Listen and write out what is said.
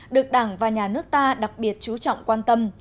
được đảng và nhà nước ta đặc biệt chú trọng quan tâm